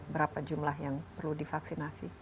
berapa jumlah yang perlu divaksinasi